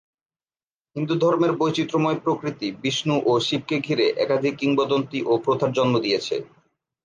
হিন্দুধর্মের বৈচিত্র্যময় প্রকৃতি বিষ্ণু ও শিবকে ঘিরে একাধিক কিংবদন্তি ও প্রথার জন্ম দিয়েছে।